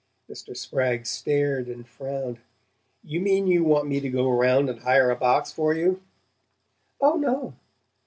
Mr. Spragg stared and frowned. "You mean you want me to go round and hire a box for you?" "Oh, no."